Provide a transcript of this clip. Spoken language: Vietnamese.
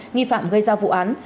nghi phạm gây ra vụ án